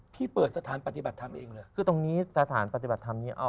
พี่เปิดสถานปฏิบัติธรรมเองตรงนี้สถานปฏิบัติธรรมเนี้ย